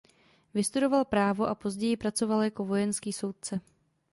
Vystudoval právo a později pracoval jako vojenský soudce.